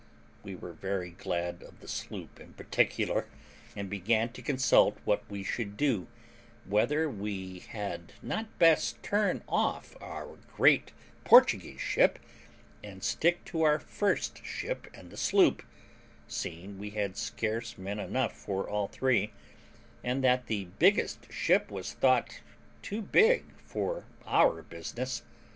We were very glad of the sloop in particular, and began to consult what we should do, whether we had not best turn off our great Portuguese ship, and stick to our first ship and the sloop, seeing we had scarce men enough for all three, and that the biggest ship was thought too big for our business.